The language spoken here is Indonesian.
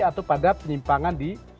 atau pada penyimpangan di